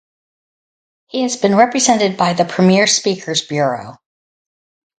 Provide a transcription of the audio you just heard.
He has been represented by the Premier Speakers Bureau.